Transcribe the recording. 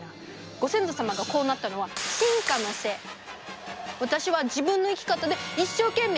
ご先祖様がこうなったのは私は自分の生き方で一生懸命生きてるだけ！